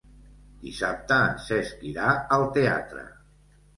Dissabte en Cesc irà al teatre.